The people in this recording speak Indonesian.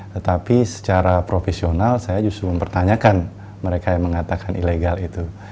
tetapi secara profesional saya justru mempertanyakan mereka yang mengatakan ilegal itu